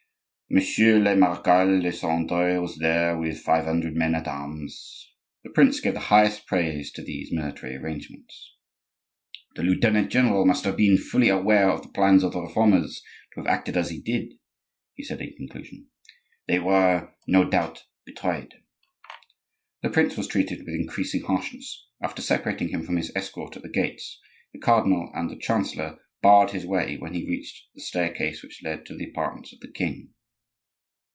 "Monsieur le Marechal de Saint Andre was there with five hundred men at arms." The prince gave the highest praise to these military arrangements. "The lieutenant general must have been fully aware of the plans of the Reformers, to have acted as he did," he said in conclusion. "They were no doubt betrayed." The prince was treated with increasing harshness. After separating him from his escort at the gates, the cardinal and the chancellor barred his way when he reached the staircase which led to the apartments of the king.